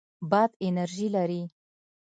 باد انرژي لري.